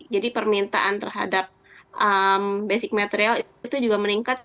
jadi permintaan terhadap basic material itu juga meningkat